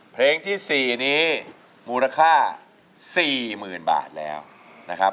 เพลงที่๔นี้มูลค่า๔๐๐๐บาทแล้วนะครับ